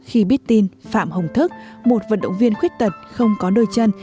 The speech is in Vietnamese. khi biết tin phạm hồng thức một vận động viên khuyết tật không có đôi chân